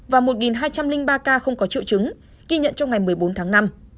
và một hai trăm linh ba ca không có triệu chứng ghi nhận trong ngày một mươi bốn tháng năm